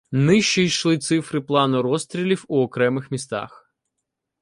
Нижче йшли цифри плану розстрілів у окремих містах.